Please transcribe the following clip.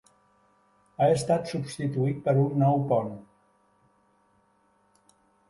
Ha estat substituït per un nou pont.